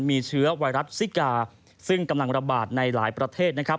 มีเชื้อไวรัสซิกาซึ่งกำลังระบาดในหลายประเทศนะครับ